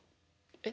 えっ？